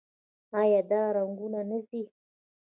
آیا دا رنګونه نه ځي؟